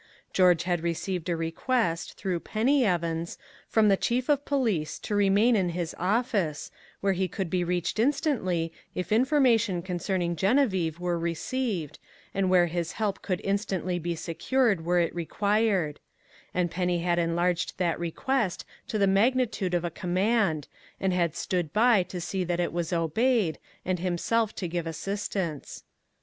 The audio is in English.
George had received a request, through Penny Evans, from the chief of police to remain in his office, where he could be reached instantly if information concerning Geneviève were received, and where his help could instantly be secured were it required; and Penny had enlarged that request to the magnitude of a command and had stood by to see that it was obeyed, and himself to give assistance.